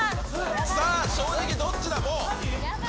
さあ、正直どっちだ、もう。